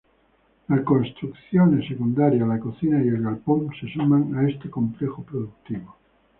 Las construcciones secundarias, la cocina y el galpón, se suman a este complejo productivo.